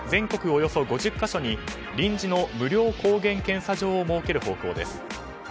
およそ５０か所に臨時の無料抗原検査場を設ける方向です。